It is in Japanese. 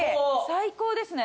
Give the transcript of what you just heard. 最高ですね。